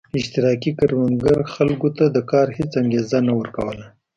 اشتراکي کروندو خلکو ته د کار هېڅ انګېزه نه ورکوله